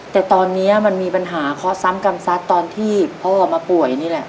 แต่ตอนนี้มันมีปัญหาข้อซ้ำกรรมซัดตอนที่พ่อมาป่วยนี่แหละ